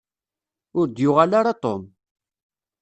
Ur d-yuɣal ara Tom.